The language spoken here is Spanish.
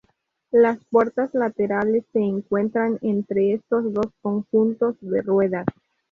Las puertas laterales se encuentran entre estos dos conjuntos de ruedas.